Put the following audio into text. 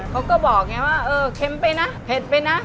เขาก็บอกไงว่าเออเค็มไปนะเผ็ดไปนะ